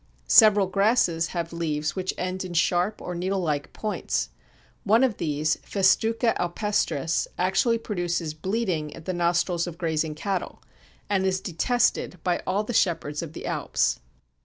Several grasses have leaves which end in sharp or needlelike points. One of these, Festuca alpestris, actually produces bleeding at the nostrils of grazing cattle, and is detested by all the shepherds of the Alps.